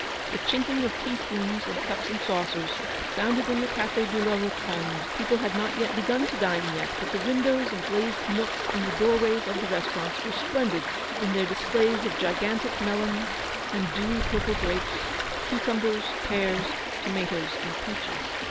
The chinking of tea spoons and cups and saucers, sounded in the Cafe de la Rotonde : people had not begun to dine yet, but the windows and glazed nooks in the doorways of the restaurants were splendid with their displays of gigantic melons, and dewy purple grapes, cucumbers, pears, tomatoes, and peaches.